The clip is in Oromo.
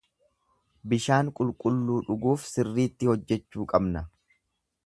Bishaan qulqulluu dhuguuf sirriitti hojjechuu qabna.